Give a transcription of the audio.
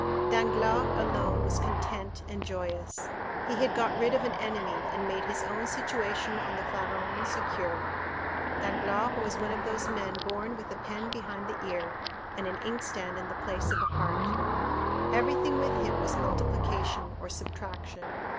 Danglars alone was content and joyous—he had got rid of an enemy and made his own situation on the Pharaon secure. Danglars was one of those men born with a pen behind the ear, and an inkstand in place of a heart. Everything with him was multiplication or subtraction.